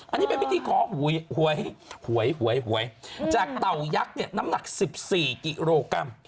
อันนี้เป็นพิธีขอหวยหวยหวยจากเต่ายักษ์เนี่ยน้ำหนัก๑๔กิโลกรัม